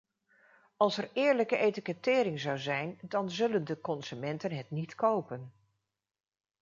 Als er eerlijke etikettering zou zijn dan zullen de consumenten het niet kopen.